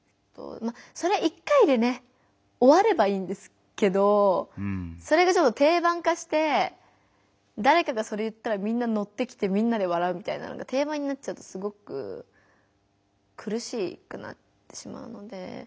それ１回でねおわればいいんですけどそれが定番化してだれかがそれ言ったらみんなのってきてみんなで笑うみたいなのが定番になっちゃうとすごくくるしくなってしまうので。